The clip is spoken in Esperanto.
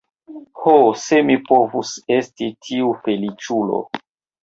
Ho, se mi povus esti tiu feliĉulo!